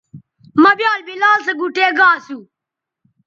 مہ بیال بلال سو گوٹھے گا اسو